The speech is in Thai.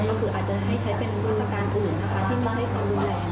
ก็คืออาจจะให้ใช้เป็นมาตรการอื่นนะคะที่ไม่ใช่ความรุนแรง